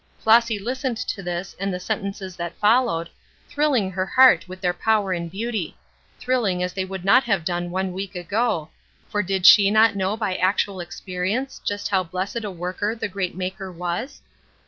Flossy listened to this and the sentences that followed, thrilling her heart with their power and beauty thrilling as they would not have done one week ago, for did she not know by actual experience just how blessed a worker the great Maker was?